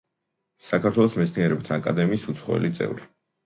საქართველოს მეცნიერებათა აკადემიის უცხოელი წევრი.